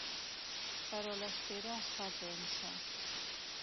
Però l’espera es fa tensa.